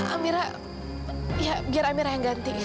amira ya biar amirah yang ganti